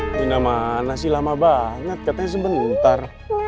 ini nama nasi lama banget katanya sebentar